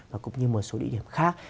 và cũng như một số địa điểm khác